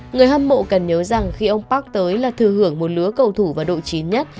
người hâm mộ cần nhớ rằng khi ông park tới là thừa hưởng một lứa cầu thủ và độ chín nhất